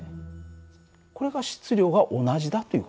これが質量が同じだという事なの。